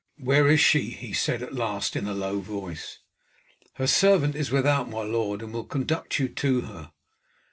"Where is she?" he said at last in a low voice. "Her servant is without, my lord, and will conduct you to her."